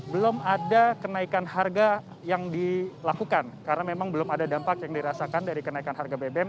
belum ada kenaikan harga yang dilakukan karena memang belum ada dampak yang dirasakan dari kenaikan harga bbm